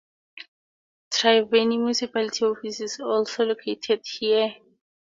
Triveni Municipality office is also located here.